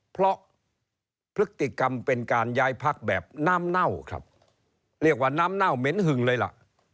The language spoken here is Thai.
เพราะพฤติกรรมเป็นการย้ายพักแบบน้ำเน่าครับเรียกว่าน้ำเน่าเหม็นหึงเลยล่ะ